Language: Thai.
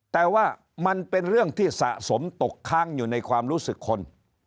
แต่ว่ามันเป็นเรื่องที่สะสมตกค้างอยู่ในความรู้สึกคน